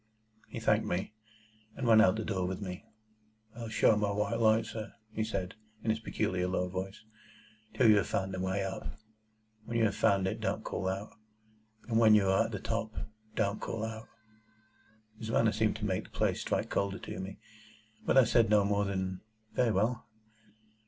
He thanked me, and went out at the door with me. "I'll show my white light, sir," he said, in his peculiar low voice, "till you have found the way up. When you have found it, don't call out! And when you are at the top, don't call out!" His manner seemed to make the place strike colder to me, but I said no more than, "Very well."